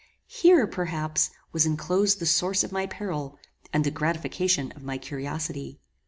Here, perhaps, was inclosed the source of my peril, and the gratification of my curiosity.